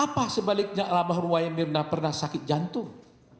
apa sebaliknya almarhum wain mirna pernah sakit jantung